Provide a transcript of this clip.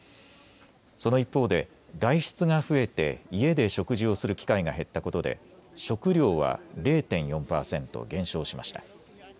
その一方で外出が増えて家で食事をする機会が減ったことで食料は０．４％減少しました。